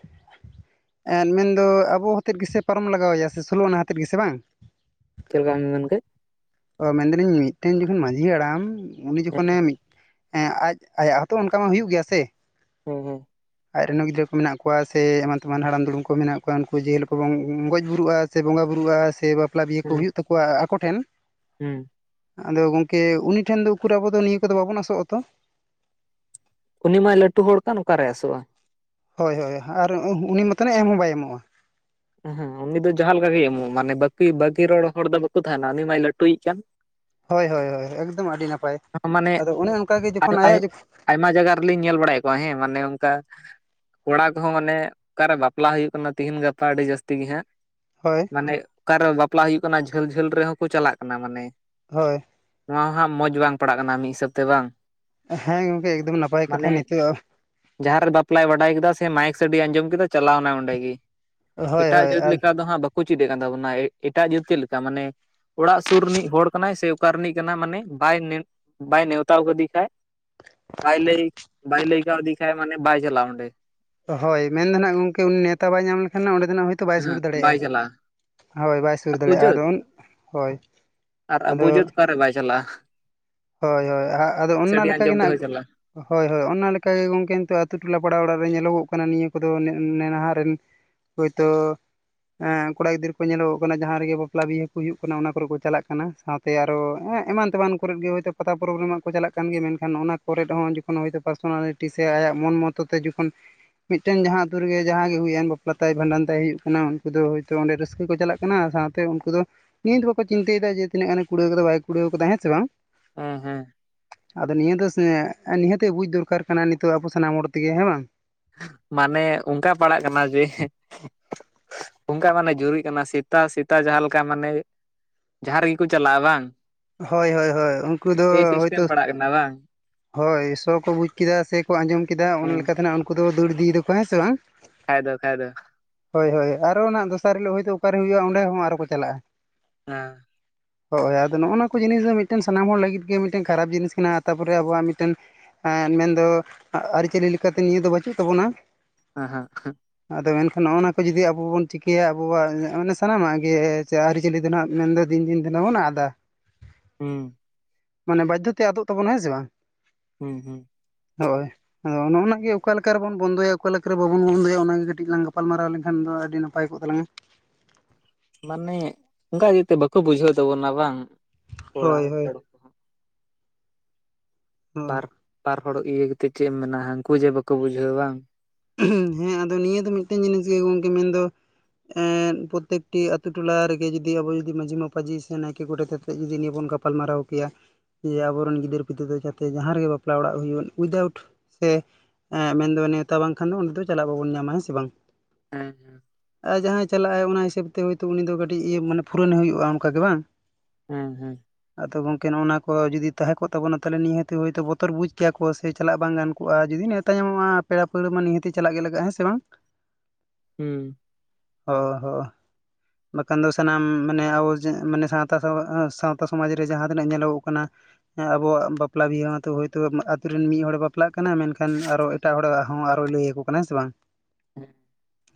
ᱮᱱ ᱢᱮᱱᱫᱚ ᱟᱵᱚ ᱦᱚᱛᱮᱫ ᱜᱮᱥᱮ ᱯᱟᱨᱚᱢ ᱞᱟᱜᱟᱣ ᱟᱭᱟ ᱥᱳᱞᱳ ᱟᱱᱟ ᱦᱟᱛᱮᱫ ᱜᱮᱥᱮ ᱵᱟᱝ ᱪᱮᱫ ᱞᱮᱠᱟ ᱢᱮᱱ ᱠᱮᱫ ᱚ ᱢᱮᱱᱫᱟᱞᱤᱧ ᱢᱤᱫᱴᱮᱱ ᱡᱚᱠᱷᱚᱱ ᱢᱟᱺᱡᱷᱤ ᱦᱟᱲᱟᱢ ᱩᱱᱤ ᱦᱮᱸ ᱡᱚᱠᱷᱚᱱᱮ ᱟᱡ ᱟᱭᱟᱜ ᱦᱚᱸᱛᱚ ᱚᱱᱠᱟ ᱢᱟ ᱦᱩᱭᱩᱜ ᱜᱮᱭᱟ ᱥᱮ ᱦᱮᱸ ᱦᱮᱸ ᱟᱡᱨᱮᱱ ᱜᱤᱫᱽᱨᱟᱹ ᱠᱚ ᱢᱮᱱᱟᱜ ᱠᱚᱣᱟ ᱥᱮ ᱮᱢᱟᱱ ᱛᱮᱢᱟᱱ ᱦᱟᱲᱟᱢ ᱫᱩᱲᱩᱢ ᱠᱚ ᱢᱮᱱᱟᱜ ᱠᱚᱣᱟ ᱩᱱᱠᱩ ᱡᱮᱦᱤᱞᱳ ᱠᱚ ᱜᱚᱡ ᱵᱩᱨᱩᱜᱼᱟ ᱥᱮ ᱵᱚᱸᱜᱟ ᱵᱩᱨᱩᱜᱼᱟ ᱥᱮ ᱵᱟᱯᱞᱟ ᱵᱤᱦᱟᱹ ᱠᱚ ᱦᱩᱭᱩᱜ ᱛᱟᱠᱚᱣᱟ ᱟᱠᱚ ᱴᱷᱮᱱ ᱦᱩᱸ ᱟᱫᱚ ᱜᱚᱝᱠᱮ ᱩᱱᱤ ᱴᱷᱮᱱ ᱫᱚ ᱩᱠᱩᱨ ᱟᱵᱚ ᱫᱚ ᱱᱤᱭᱟᱹ ᱠᱚᱫᱚ ᱵᱟᱵᱚᱱ ᱟᱥᱚᱜ ᱟ ᱛᱚ ᱩᱱᱤ ᱢᱟᱭ ᱞᱟᱹᱴᱩ ᱦᱚᱲ ᱠᱟᱱ ᱚᱠᱟᱨᱮ ᱟᱥᱚᱜᱼᱟ ᱦᱳᱭ ᱦᱳᱭ ᱟᱨ ᱩᱱᱤ ᱢᱟᱛᱚ ᱱᱟᱜ ᱮᱢ ᱦᱚᱸ ᱵᱟᱭ ᱮᱢᱚᱜᱼᱟ ᱦᱮᱸᱮᱸ ᱩᱱᱤ ᱫᱚ ᱡᱟᱦᱟᱸ ᱞᱮᱠᱟ ᱜᱮᱭ ᱮᱢᱚᱜᱼᱟ ᱢᱟᱱᱮ ᱵᱟᱠᱤ ᱵᱟᱠᱤ ᱨᱚᱲ ᱦᱚᱲ ᱫᱚ ᱵᱟᱠᱚ ᱛᱟᱦᱮᱱᱟ ᱩᱱᱤ ᱢᱟᱭ ᱞᱟᱹᱴᱩᱭᱤᱡ ᱠᱟᱱ ᱦᱳᱭ ᱦᱳᱭ ᱦᱳᱭ ᱮᱠᱫᱚᱢ ᱟᱹᱰᱤ ᱱᱟᱯᱟᱭ ᱢᱟᱱᱮ ᱟᱫᱚ ᱚᱱᱮ ᱚᱱᱠᱟᱜᱮ ᱡᱚᱠᱷᱚᱱ ᱟᱭᱟᱜ ᱡᱚᱠᱷᱚ ᱟᱭᱢᱟ ᱡᱟᱭᱜᱟ ᱨᱮᱞᱤᱧ ᱧᱮᱞ ᱵᱟᱲᱟᱭᱮᱫ ᱠᱚᱣᱟ ᱦᱮᱸ ᱢᱟᱱᱮ ᱚᱱᱠᱟ ᱠᱚᱲᱟ ᱠᱚᱦᱚᱸ ᱢᱟᱱᱮ ᱚᱠᱟᱨᱮ ᱵᱟᱯᱞᱟ ᱦᱩᱭᱩᱜ ᱠᱟᱱᱟ ᱛᱤᱦᱤᱧ ᱜᱟᱯᱟ ᱟᱹᱰᱤ ᱡᱟᱹᱥᱛᱤ ᱜᱮ ᱦᱟᱸᱜ ᱦᱳᱭ ᱢᱟᱱᱮ ᱚᱠᱟᱨᱮ ᱵᱟᱯᱞᱟ ᱦᱩᱭᱩᱜ ᱠᱟᱱᱟ ᱡᱷᱟᱹᱞ ᱡᱷᱟᱹᱞ ᱨᱮᱦᱚᱸ ᱠᱚ ᱪᱟᱞᱟᱜ ᱠᱟᱱᱟ ᱢᱟᱱᱮ ᱦᱳᱭ ᱱᱚᱣᱟ ᱦᱟᱸᱜ ᱢᱚᱸᱡᱽ ᱵᱟᱝ ᱯᱟᱲᱟᱜ ᱠᱟᱱᱟ ᱢᱤᱫ ᱦᱤᱥᱟᱹᱵᱽ ᱛᱮ ᱵᱟᱝ ᱦᱮᱸ ᱜᱚᱝᱠᱮ ᱮᱠᱫᱚᱢ ᱱᱟᱯᱟᱭ ᱢᱟᱱᱮ ᱠᱟᱛᱷᱟ ᱱᱤᱛᱚᱜ ᱡᱟᱦᱟᱸ ᱨᱮ ᱵᱟᱯᱞᱟᱭ ᱵᱟᱰᱟᱭ ᱠᱟᱫᱟ ᱥᱮ ᱢᱟᱭᱤᱠ ᱥᱟᱰᱮ ᱟᱸᱡᱚᱢ ᱠᱮᱫᱟ ᱪᱟᱞᱟᱣ ᱮᱱᱟᱭ ᱚᱸᱰᱮ ᱜᱮ ᱦᱳᱭ ᱮᱴᱟᱜ ᱦᱳᱭ ᱡᱟᱹᱛ ᱟᱨ ᱞᱮᱠᱟ ᱫᱚ ᱦᱟᱸᱜ ᱵᱟᱠᱚ ᱪᱮᱫ ᱮᱫ ᱠᱟᱱ ᱛᱟᱵᱚᱱᱟ ᱮᱴᱟᱜ ᱡᱟᱹᱛ ᱪᱮᱫ ᱞᱮᱠᱟ ᱢᱟᱱᱮ ᱚᱲᱟᱜ ᱥᱩᱨ ᱨᱤᱱᱤᱡ ᱦᱚᱲ ᱠᱟᱱᱟᱭ ᱥᱮ ᱚᱠᱟ ᱨᱤᱱᱤᱡ ᱠᱟᱱᱟᱭ ᱢᱟᱱᱮ ᱵᱟᱭ ᱱᱮ ᱵᱟᱭ ᱱᱮᱣᱛᱟ ᱠᱟᱫᱮ ᱠᱷᱟᱭ ᱵᱟᱭ ᱞᱟᱹᱭ ᱵᱟᱭ ᱞᱟᱹᱭ ᱠᱟᱹᱣᱫᱮ ᱠᱷᱟᱱᱮ ᱢᱟᱱᱮ ᱵᱟᱭ ᱪᱟᱞᱟᱣᱟᱭ ᱚᱸᱰᱮ ᱦᱳᱭ ᱢᱮᱱᱫᱟ ᱱᱟᱜ ᱜᱚᱢᱠᱮ ᱩᱱᱤᱱᱮᱶᱟ ᱵᱟᱭ ᱧᱟᱢ ᱞᱮᱠᱷᱟᱱ ᱚᱸᱰᱮ ᱫᱚᱱᱟᱜ ᱦᱳᱭᱛᱳ ᱵᱟᱭ ᱥᱩᱨ ᱦᱮᱸ ᱵᱟᱭ ᱫᱟᱲᱮᱭᱟᱜᱼᱟ ᱪᱟᱞᱟᱜᱼᱟ ᱦᱳᱭ ᱵᱟᱭ ᱥᱩᱨ ᱟᱵᱚ ᱫᱟᱲᱮᱭᱟᱜᱼᱟ ᱟᱫᱚ ᱡᱟᱹᱛ ᱟᱨᱳᱳᱱ ᱦᱳᱭ ᱟᱨ ᱟᱵᱚ ᱟᱫᱚ ᱡᱟᱹᱛ ᱚᱠᱟᱨᱮ ᱵᱟᱭ ᱪᱟᱞᱟᱜᱼᱟ ᱦᱳᱭ ᱦᱳᱭ ᱟᱫᱚ ᱚᱱᱟ ᱥᱟᱰᱮ ᱞᱮᱠᱟᱜᱮ ᱟᱸᱡᱚᱢ ᱱᱟᱦᱟᱜ ᱛᱮᱦᱚᱸᱭ ᱪᱟᱞᱟᱜᱼᱟ ᱦᱳᱭ ᱦᱳᱭ ᱚᱱᱟ ᱞᱮᱠᱟᱜᱮ ᱜᱚᱢᱠᱮ ᱱᱤᱛᱚᱜ ᱟᱛᱳ ᱴᱚᱞᱟ ᱯᱟᱲᱟ ᱚᱲᱟᱜ ᱨᱮ ᱧᱮᱞᱚᱜᱚᱜ ᱠᱟᱱᱟ ᱱᱤᱭᱟᱹ ᱠᱚᱫᱚ ᱱᱮᱱᱦᱟ ᱨᱮᱱ ᱦᱳᱭᱛᱳ ᱦᱮᱸᱠᱚᱲᱟ ᱜᱤᱫᱽᱟᱹᱨᱟᱹ ᱠᱚ ᱧᱮᱞᱚᱜᱚᱜ ᱠᱟᱱᱟ ᱡᱟᱦᱟᱸ ᱨᱮᱜᱮ ᱵᱟᱯᱞᱟ ᱵᱤᱦᱟᱹ ᱠᱚ ᱦᱩᱭᱩᱜ ᱠᱟᱱᱟ ᱚᱱᱟ ᱠᱚᱨᱮ ᱠᱚ ᱪᱟᱞᱟᱜ ᱠᱟᱱᱟ ᱥᱟᱶᱛᱮ ᱛᱮᱭᱟᱨᱚᱜ ᱮᱢᱟᱱ ᱛᱮᱢᱟᱱ ᱠᱚᱨᱮ ᱜᱮᱡ ᱯᱟᱛᱟ ᱯᱨᱳᱚᱵᱽ ᱨᱮᱢᱟ ᱠᱚ ᱪᱟᱞᱟᱜ ᱠᱟᱱ ᱥᱮ ᱯᱟᱛᱟ ᱯᱚᱨᱚᱵ ᱨᱮᱢᱟ ᱠᱟ ᱪᱟᱞᱟᱜ ᱠᱟᱱ ᱜᱮᱭᱟ ᱢᱮᱱᱠᱷᱟᱱ ᱚᱱᱟ ᱠᱚᱨᱮ ᱦᱚᱸ ᱡᱚᱠᱷᱚᱱ ᱦᱳᱭᱛᱳ ᱯᱟᱨᱥᱚᱱᱟᱞᱤᱴᱤ ᱥᱮ ᱟᱭᱟᱜ ᱢᱚᱱ ᱢᱚᱛ ᱛᱮ ᱡᱚᱠᱷᱚᱱ ᱢᱤᱫ ᱴᱟᱹᱝ ᱡᱟᱦᱟ ᱟ. ᱛᱩ ᱨᱮᱜᱮ ᱡᱟᱦᱟ ᱜᱮ ᱦᱩᱭ ᱮᱱ ᱵᱟᱯᱞᱟ ᱛᱟᱭ ᱵᱷᱟᱸᱰᱟᱱ ᱛᱟᱭ ᱦᱩᱭᱩᱜ ᱠᱟᱱᱟ ᱩᱱᱠᱩ ᱫᱚ ᱦᱳᱭᱛᱳ ᱚᱸᱰᱮ ᱨᱟᱹᱥᱠᱟᱹ ᱠᱚ ᱪᱟᱞᱟᱜ ᱠᱟᱱᱟ ᱥᱟᱶᱛᱮ ᱩᱱᱠᱩ ᱫᱚ ᱱᱤᱛ ᱵᱟᱠᱚ ᱪᱤᱱᱛᱟᱹᱭ ᱫᱟ ᱡᱮ ᱛᱤᱱᱟᱹ ᱜᱟᱱ ᱮ ᱠᱩᱲᱟᱹᱣᱫᱟ ᱵᱟᱭ ᱠᱩᱲᱟᱹᱣ ᱠᱟᱫᱟ ᱦᱮᱸ ᱥᱮ ᱵᱟᱝ ᱦᱮᱸ ᱦᱮᱸ ᱟᱫᱚ ᱱᱤᱭᱟᱹ ᱫᱚ ᱱᱤᱦᱟᱹᱛ ᱵᱩᱡᱽ ᱫᱚᱨᱠᱟᱨ ᱠᱟᱱᱟ ᱱᱤᱛᱚᱜ ᱟᱵᱚ ᱥᱟᱱᱟᱢ ᱦᱚᱲ ᱛᱮᱜᱮ ᱦᱮᱸ ᱵᱟᱝ ᱢᱟᱱᱮ ᱚᱱᱠᱟ ᱯᱟᱲᱟᱜ ᱠᱟᱱᱟ ᱡᱮ ᱚᱱᱠᱟ ᱢᱟᱱᱮ ᱡᱩᱨᱤᱜ ᱠᱟᱱᱟ ᱥᱮᱛᱟ ᱥᱮᱛᱟ ᱡᱟᱦᱟᱸ ᱞᱮᱠᱟ ᱢᱟᱱᱮ ᱡᱟᱦᱟᱸ ᱨᱮᱜᱮ ᱠᱚ ᱪᱟᱞᱟᱜᱼᱟ ᱵᱟᱝ ᱦᱳᱭ ᱦᱳᱭ ᱦᱳᱭ ᱩᱱᱠᱩ ᱫᱚ ᱮᱭ ᱥᱤᱥᱴᱮᱢ ᱦᱳᱭᱛᱳ ᱯᱟᱲᱟᱜ ᱠᱟᱱᱟ ᱵᱟᱝ ᱦᱳᱭ ᱥᱚ ᱠᱚ ᱵᱩᱡ ᱠᱮᱫᱟ ᱥᱮᱠᱚ ᱟᱸᱡᱚᱢ ᱠᱮᱫᱟ ᱚᱱᱟ ᱦᱮᱸ ᱞᱮᱠᱟ ᱛᱮᱱᱟ ᱩᱱᱠᱩ ᱫᱚ ᱫᱟᱹᱲ ᱤᱫᱤᱭᱮᱫᱟᱠᱚ ᱦᱮᱸ ᱥᱮ ᱵᱟᱝ ᱠᱷᱟᱭ ᱫᱚ ᱠᱷᱟᱭ ᱫᱚ ᱦᱳᱭ ᱦᱳᱭ ᱟᱨᱦᱚ ᱱᱟᱜ ᱫᱚᱥᱟᱨ ᱦᱤᱞᱳᱜ ᱦᱳᱛᱳ ᱚᱠᱟᱨᱮ ᱦᱩᱭᱩᱜᱼᱟ ᱚᱸᱰᱮ ᱦᱚᱸ ᱟᱨᱚ ᱠᱚ ᱪᱟᱞᱟᱜᱼᱟ ᱦᱮᱸ ᱦᱳᱭ ᱟᱨ ᱟᱫᱚ ᱱᱚᱜᱚᱱᱟ ᱠᱚ ᱡᱤᱱ ᱫᱚ ᱢᱤᱫᱴᱮᱱ ᱥᱟᱱᱟᱢ ᱦᱚᱲ ᱞᱟᱹᱜᱤᱫ ᱜᱮ ᱢᱤᱫᱴᱮᱱ ᱠᱷᱟᱨᱟᱯ ᱡᱤᱱᱤᱥ ᱠᱟᱱᱟ ᱛᱟᱯᱚᱨᱮ ᱟᱵᱚᱣᱟᱜ ᱢᱤᱫᱴᱮᱱ ᱢᱮᱱᱫᱚ ᱟᱹᱨᱤᱪᱟᱹ ᱞᱮᱠᱟᱛᱮ ᱱᱤᱭᱟᱹ ᱫᱚ ᱵᱟᱹᱪᱩᱜ ᱛᱟᱵᱚᱱᱟ ᱟ ᱦᱟ ᱦᱮᱸ [INAUDIBLE] ᱟᱫᱚ ᱢᱮᱱᱠᱷᱟᱱ ᱱᱚᱜᱼᱚ ᱱᱟ ᱠᱚ ᱡᱩᱫᱤ ᱟᱵᱚ ᱵᱚᱱ ᱪᱤᱠᱟᱹᱭᱟ ᱟᱵᱚᱣᱟᱜ ᱢᱟᱱᱮ ᱥᱟᱱᱟᱢᱟᱜ ᱜᱮ ᱥᱮ ᱟᱹᱨᱤᱪᱟᱹᱞᱤ ᱫᱚ ᱢᱮᱱᱫᱟ ᱫᱤᱱ ᱫᱤᱱ ᱫᱚ ᱵᱚ ᱟᱫᱟ ᱦᱩᱸ ᱢᱟᱱᱮ ᱵᱟᱡᱫᱷᱚ ᱛᱮ ᱟᱫᱚᱜ ᱛᱟᱵᱚᱱᱟ ᱦᱮ ᱥᱮ ᱵᱟᱝ ᱦᱩᱸ ᱦᱩᱸ ᱦᱳᱭ ᱟᱫᱚ ᱱᱚᱜᱚᱱᱟ ᱜᱮ ᱚᱠᱟ ᱞᱮᱠᱟ ᱨᱮ ᱵᱚᱱ ᱵᱚᱱᱫᱚᱭᱟ ᱚᱠᱟᱞᱮᱠᱟᱨᱮ ᱵᱟᱵᱚᱱ ᱵᱚᱱᱫᱚᱭᱟ ᱚᱱᱟᱜᱮ ᱠᱟᱹᱴᱤᱡ ᱞᱟᱝ ᱜᱟᱯᱟᱞᱢᱟᱨᱟᱣ ᱞᱮᱱᱠᱷᱟᱱ ᱫᱚ ᱟᱹᱰᱤ ᱱᱟᱯᱟᱭ ᱠᱚᱜ ᱛᱟᱞᱟᱝᱟ ᱢᱟᱱᱮ ᱚᱱᱠᱟ ᱤᱫᱤ ᱛᱮ ᱵᱟᱠᱚ ᱵᱩᱡᱷᱟᱹᱣ ᱛᱟᱵᱚᱱᱟ ᱵᱟᱝ ᱠᱚᱲᱟ ᱦᱳᱭ ᱦᱳᱭ ᱦᱚᱲ ᱠᱚᱦᱚᱸ ᱵᱟᱨ ᱵᱟᱨ ᱦᱚᱲ ᱤᱭᱟᱹ ᱠᱟᱛᱮᱫ ᱪᱮᱫ ᱮᱢ ᱢᱮᱱᱟ ᱦᱟᱱᱠᱩ ᱡᱮ ᱵᱟᱠᱚ ᱵᱩᱡᱷᱟᱹᱣᱟ ᱵᱟᱝ ᱦᱮᱸ ᱟᱫᱚ ᱱᱤᱭᱟᱹ ᱫᱚ ᱢᱤᱫᱴᱮᱱ ᱡᱤᱱᱤᱥ ᱜᱮ ᱜᱚᱢᱠᱮ ᱢᱮᱱᱫᱚ ᱯᱨᱚᱛᱮᱠᱴᱤ ᱟᱹᱛᱩ ᱴᱚᱞᱟ ᱨᱮᱜᱮ ᱡᱩᱫᱤ ᱟᱵᱚ ᱡᱩᱫᱤ ᱢᱟᱡᱷᱤ ᱢᱟᱯᱟᱡᱷᱤ ᱥᱮ ᱱᱟᱭᱠᱮ ᱜᱚᱰᱮᱛ ᱟᱛᱮᱜ ᱡᱩᱤ ᱱᱤᱭᱟᱹ ᱵᱚᱱ ᱜᱟᱯ ᱜᱟᱯᱟᱞᱢᱟᱨᱟᱣ ᱠᱮᱭᱟ ᱡᱮ ᱟᱵᱚᱨᱮᱱ ᱜᱤᱫᱟᱹᱨ ᱯᱤᱫᱟᱹᱨ ᱫᱚ ᱡᱟᱛᱮ ᱡᱟᱦᱟᱸ ᱨᱮᱜᱮ ᱵᱟᱯᱞᱟ ᱚᱲᱟᱜ ᱦᱩᱭᱩᱜ ᱩᱭᱟᱣᱩᱴ ᱥᱮ ᱢᱮᱱᱫᱚ ᱱᱮᱣᱛᱟ ᱵᱟᱝᱠᱷᱟᱱ ᱫᱚ ᱚᱸᱰᱮ ᱫᱚ ᱪᱟᱞᱟᱜ ᱵᱟᱵᱚᱱ ᱧᱟᱢᱟ ᱦᱮᱸ ᱥᱮ ᱵᱟᱝ ᱦᱮᱸ ᱟᱨ ᱡᱟᱦᱟᱸᱭ ᱪᱟᱞᱟᱜᱼᱟᱭ ᱚᱱᱟ ᱦᱤᱥᱟᱹᱵᱽ ᱛᱮ ᱦᱳᱭᱛᱳ ᱩᱱᱤ ᱫᱚ ᱠᱟᱹᱴᱤᱡ ᱤᱭᱟᱹ ᱢᱟᱱᱮ ᱯᱷᱩᱨᱚᱱᱮ ᱦᱩᱭᱩᱜᱼᱟ ᱚᱱᱠᱟ ᱜᱮ ᱵᱟᱝ ᱦᱮᱸ ᱦᱩᱸ ᱟᱫᱚ ᱜᱚᱝᱠᱮ ᱱᱚᱜᱚᱱᱟ ᱠᱚ ᱡᱩᱫᱤ ᱛᱟᱦᱮᱸ ᱠᱚᱜ ᱛᱵᱚᱱᱟ ᱛᱟᱦᱚᱞᱮ ᱱᱤᱦᱟᱹᱛ ᱦᱳᱭᱛᱚ ᱵᱚᱛᱚᱨ ᱵᱩᱡᱽ ᱠᱮᱭᱟᱠᱚ ᱥᱮ ᱪᱟᱞᱟᱜ ᱵᱟᱝ ᱜᱟᱱ ᱠᱚᱟᱜ ᱡᱩᱫᱤ ᱱᱮᱶᱛᱟ ᱧᱟᱢᱚᱜᱼᱟ ᱯᱮᱲᱟ ᱯᱟᱹᱲᱦᱟᱹ ᱢᱟ ᱱᱤᱦᱟᱹᱛᱤ ᱪᱟᱞᱟᱜ ᱜᱮ ᱞᱟᱜᱟᱜᱼᱟ ᱦᱮᱸ ᱥᱮ ᱵᱟᱝ ᱦᱩᱸ ᱦᱚ ᱦᱚ ᱵᱟᱠᱷᱟᱱ ᱫᱚ ᱥᱟᱱᱟᱢ ᱢᱟᱱᱮ ᱟᱵᱚᱟᱱ ᱥᱟᱶᱛᱟ [INAUDIBLE] ᱥᱟᱶᱛᱟ ᱥᱚᱢᱟᱡᱽ ᱨᱮ ᱡᱟᱦᱟᱸ ᱛᱤᱱᱟᱹᱜ ᱧᱮᱞᱚᱜᱚᱜ ᱠᱟᱱᱟ ᱦᱮᱸ ᱟᱵᱚᱣᱟᱜ ᱵᱟᱯᱞᱟ ᱵᱤᱦᱟᱹ ᱢᱟᱛᱚ ᱦᱳᱭᱛᱳ ᱟᱛᱩ ᱨᱮᱱ ᱢᱤᱫ ᱦᱚᱲᱮ ᱮ ᱵᱟᱯᱞᱟᱜ ᱠᱟᱱᱟ ᱢᱮᱱ ᱠᱷᱟᱱ ᱟᱨᱚ ᱮ ᱮᱴᱟᱜ ᱦᱚᱲᱟᱜ ᱦᱚᱸ ᱟᱨᱚᱭ ᱞᱟᱹᱭ ᱟᱠᱚ ᱠᱟᱱᱟ ᱦᱮ ᱥᱮ ᱵᱟᱝ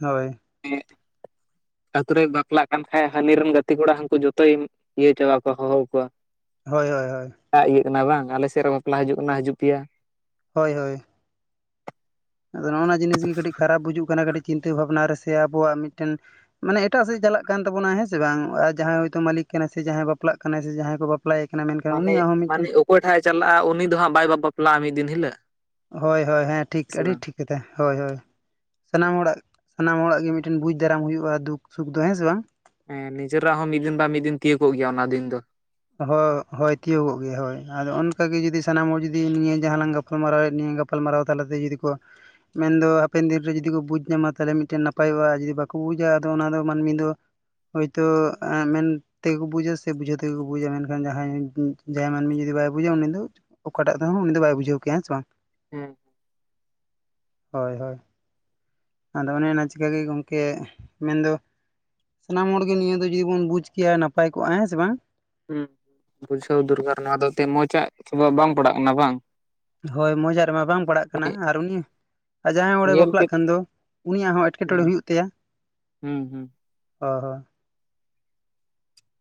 ᱦᱳᱭ ᱟᱛᱳ ᱨᱮᱭ ᱵᱟᱯᱞᱟᱜ ᱠᱟᱱ ᱠᱷᱟᱡ ᱦᱟᱹᱱᱤ ᱨᱮᱱ ᱜᱟᱛᱮ ᱠᱚᱲᱟ ᱦᱟᱹᱱᱠᱩ ᱡᱚᱛᱚᱭ ᱤᱭᱟᱹ ᱪᱟᱵᱟ ᱠᱚᱣᱟ ᱦᱚ ᱦᱚᱣᱟᱠᱚᱣᱟ ᱦᱳᱭ ᱦᱳᱭ ᱦᱳᱭ ᱮᱟᱜ ᱤᱭᱤᱭᱟᱹ ᱠᱟᱱᱟ ᱵᱟᱝ ᱟᱞᱮᱥᱮᱫ ᱨᱮ ᱵᱟᱯᱞᱟ ᱦᱤᱡᱩᱜ ᱠᱟᱱᱟ ᱦᱤᱡᱩᱜ ᱯᱮᱭᱟ ᱦᱳᱭ ᱦᱳᱭ ᱟᱫᱚ ᱱᱚᱜᱼ ᱱᱚᱣᱟ ᱡᱤᱱᱤᱥ ᱜᱮ ᱠᱟᱹᱴᱤᱡ ᱠᱷᱟᱨᱟᱯ ᱵᱩᱡᱩᱜ ᱠᱟᱱᱟ ᱠᱟᱹᱴᱤᱡ ᱪᱤᱱᱛᱟᱹ ᱵᱷᱟᱵᱱᱟ ᱨᱮ ᱥᱮ ᱟᱵᱚᱣᱟᱜ ᱢᱤᱫᱴᱮᱱ ᱢᱟᱱᱮ ᱮᱴᱟᱜ ᱥᱮᱫ ᱪᱟᱞᱟᱜ ᱠᱟᱱ ᱛᱟᱵᱚᱱᱟ ᱦᱮᱸ ᱥᱮ ᱵᱟᱝ ᱟᱨ ᱡᱟᱦᱟᱸᱭ ᱦᱳᱭᱛᱳ ᱢᱟᱹᱞᱤᱠ ᱠᱟᱱᱟᱭ ᱥᱮ ᱡᱟᱦᱟᱸᱭ ᱵᱟᱯᱞᱟᱜ ᱠᱟᱱᱟᱭ ᱥᱮ ᱡᱟᱦᱟᱸᱭ ᱠᱚ ᱯᱞᱟᱭᱨ ᱠᱟᱱᱟ ᱢᱮᱱ ᱢᱟᱱᱮ ᱢᱟᱱᱮ ᱚᱠᱚᱭ ᱴᱷᱟᱜᱼ ᱮ ᱪᱟᱞᱟᱜᱼᱟ ᱩᱱᱤ ᱫᱚ ᱦᱟᱸᱜ ᱵᱟᱭ ᱵᱟᱯᱞᱟᱜᱼᱟ ᱢᱤᱫ ᱫᱤᱱ ᱦᱤᱞᱟᱜ ᱦᱳᱭ ᱦᱳᱭ ᱦᱮᱸ ᱴᱷᱤᱠ ᱟᱹᱰᱤ ᱴᱷᱤᱠ ᱠᱟᱛᱷᱟ ᱦᱳᱭ ᱦᱳᱭ ᱥᱟᱱᱟᱢ ᱦᱚᱲᱟᱜ ᱥᱟᱱᱟᱢ ᱦᱚᱲᱟᱜ ᱜᱮ ᱢᱤᱫᱴᱮᱱ ᱵᱩᱡ ᱫᱟᱨᱟᱢ ᱦᱩᱭᱩᱜᱼᱟ ᱫᱩᱠ ᱥᱩᱠ ᱫᱚ ᱦᱮᱸ ᱥᱮ ᱵᱟᱝ ᱦᱮᱸ ᱱᱤᱡᱮᱨᱟᱜ ᱦᱚᱸ ᱢᱤᱫ ᱫᱤᱱ ᱵᱟ ᱢᱤᱫ ᱫᱤᱱ ᱛᱤᱭᱟᱜᱳᱜ ᱜᱮᱭᱟ ᱚᱱᱟ ᱫᱤᱱ ᱫᱚ ᱦᱭ ᱦᱳᱭ ᱛᱤᱭᱳᱜᱚᱜ ᱜᱮᱭᱟ ᱦᱳᱭ ᱟᱫᱚ ᱚᱱᱠᱟ ᱜᱮ ᱡᱩᱫᱤ ᱥᱟᱱᱟᱢ ᱦᱚᱲ ᱡᱩᱫᱤ ᱱᱤᱭᱟᱹ ᱡᱟᱦᱟᱸ ᱞᱟᱝ ᱜᱟᱯ ᱜᱟᱯᱟᱞᱢ ᱢᱟᱨᱟᱣᱮᱫ ᱞᱤᱧ ᱜᱟᱯᱟᱞ ᱢᱟᱨᱟᱣ ᱛᱟᱞᱟᱛᱮ ᱡᱩᱫᱤ ᱠᱚ ᱢᱮᱱ ᱫᱚ ᱦᱟᱯᱮᱱ ᱫᱤᱱ ᱨᱮ ᱡᱩᱫᱤ ᱠᱚ ᱵᱩᱡᱽ ᱧᱟᱢᱟ ᱛᱟᱦᱚᱞᱮ ᱢᱤᱫᱴᱮᱱ ᱱᱟᱯᱟᱭᱚᱜᱼᱟ ᱟᱨ ᱡᱩᱫᱤ ᱵᱟᱠᱚ ᱵᱩᱡᱟ ᱟᱫᱚ ᱚᱱᱟ ᱫᱚ ᱢᱟᱹᱱᱢᱤ ᱫᱚ ᱦᱳᱭᱛᱳ ᱢᱮᱱ ᱛᱮᱜᱮ ᱠᱚ ᱵᱩᱡᱟ ᱥᱮ ᱵᱩᱡᱷᱟᱹᱣ ᱛᱮᱜᱮ ᱠᱚ ᱼᱼ ᱵᱩᱡᱟ ᱢᱮᱱᱠᱷᱟᱱ ᱡᱟᱦᱟᱸᱭ ᱡᱟᱦᱟᱸᱭ ᱢᱟᱹᱱᱢᱤ ᱡᱩᱫᱤ ᱵᱟᱭ ᱵᱩᱡᱟ ᱩᱱᱤ ᱫᱚ ᱚᱠᱟᱴᱟᱜ ᱛᱮᱦᱚᱸ ᱩᱱᱤ ᱫᱚ ᱵᱟᱭ ᱵᱩᱡᱷᱟᱹᱣ ᱠᱮᱭᱟ ᱦᱮᱸ ᱥᱮ ᱵᱟᱝ ᱦᱮᱸ ᱦᱚᱭ ᱦᱚᱭ ᱾ ᱟᱫᱚ ᱚᱱᱮ ᱚᱱᱟ ᱪᱤᱠᱟᱹᱜᱮ ᱜᱚᱢᱠᱮ ᱢᱮᱱᱫᱚ ᱥᱟᱱᱟᱢ ᱦᱚᱲ ᱜᱮ ᱱᱤᱭᱟᱹ ᱫᱚ ᱡᱩᱫᱤ ᱵᱚᱱ ᱵᱩᱡᱽ ᱠᱮᱭᱟ ᱱᱟᱯᱟᱭ ᱠᱚᱜᱼᱟ ᱦᱮᱸ ᱥᱮ ᱵᱟᱝ ᱦᱩᱸ ᱵᱩᱡᱷᱟᱹᱣ ᱫᱚᱨᱠᱟᱨ ᱱᱚᱣᱟ ᱫᱚ ᱮᱱᱛᱮᱫ ᱢᱚᱸᱡᱽᱼᱟᱜ ᱥᱚᱵᱷᱟᱵ ᱵᱟᱝ ᱯᱟᱲᱟᱜ ᱠᱟᱱᱟ ᱵᱟᱝ ᱾ ᱦᱳᱭ ᱢᱚᱸᱡᱽᱼᱟᱜ ᱨᱮᱢᱟ ᱵᱟᱝ ᱯᱟᱲᱟᱜ ᱠᱟᱱᱟ ᱟᱨ ᱩᱱᱤ ᱼᱼ ᱟᱨ ᱡᱟᱦᱟᱸᱭ ᱦᱚᱲᱮ ᱧᱮᱞ ᱵᱟᱯᱞᱟᱜ ᱠᱮᱫ ᱠᱷᱟᱱ ᱫᱚ ᱩᱱᱤᱭᱟᱜ ᱦᱚᱸ ᱮᱴᱠᱮᱴᱚᱬᱮ ᱦᱩᱭᱩᱜ ᱛᱟᱭᱟ᱾ ᱦᱩᱸ ᱦᱩᱸ ᱾ ᱦᱚᱭ ᱦᱚᱭ ᱾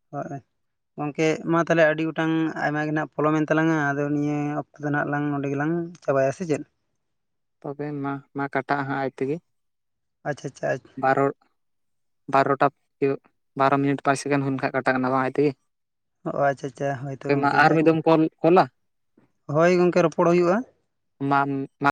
[UNINTELLIGIBLE] ᱜᱚᱢᱠᱮ ᱢᱟ ᱛᱟᱦᱚᱞᱮ ᱟᱹᱰᱤ ᱜᱚᱴᱟᱝ ᱟᱭᱢᱟ ᱜᱮ ᱱᱟᱦᱟᱜ ᱯᱚᱞᱚᱢ ᱮᱱ ᱛᱟᱞᱟᱝᱟ ᱟᱫᱚ ᱱᱤᱭᱟᱹ ᱚᱠᱛᱚ ᱫᱚ ᱱᱟᱦᱟᱜ ᱞᱟᱝ ᱱᱚᱸᱰᱮ ᱜᱮ ᱞᱟᱝ ᱼᱼ ᱪᱟᱵᱟᱭᱟ ᱥᱮ ᱪᱮᱫ? ᱛᱚᱵᱮ ᱢᱟ ᱢᱟ ᱠᱟᱴᱟᱜ ᱦᱟᱸᱜ ᱟᱡ ᱛᱮᱜᱮ ᱾ ᱟᱪᱪᱷᱟ ᱟᱪᱪᱷᱟ ᱼᱼ ᱵᱟᱨᱚ ᱵᱟᱨᱚᱴᱟ ᱵᱟᱨᱳ ᱢᱤᱱᱤᱴ ᱯᱟᱸᱪ ᱥᱮᱠᱮᱱᱰ ᱦᱩᱭ ᱞᱮᱱ ᱠᱷᱟᱡ ᱠᱟᱴᱟᱜ ᱠᱟᱱᱟ ᱵᱟᱝ ᱛᱮᱜᱮ ᱾ ᱚ ᱟᱪᱪᱷᱟ ᱟᱪᱪᱷᱟ ᱦᱳᱭ ᱛᱚ ᱜᱚᱝᱠᱮ ᱡᱟᱠ ᱢᱤᱫ ᱫᱚᱢ ᱠᱚᱞ ᱠᱚᱞᱟ ᱦᱳᱭ ᱜᱚᱝᱠᱮ ᱨᱚᱯᱚᱲ ᱦᱩᱭᱩᱜᱼᱟ ᱾ [UNINTELLIGIBLE]